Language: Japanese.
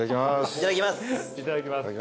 いただきます。